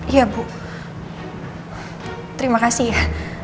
iya bu terima kasih ya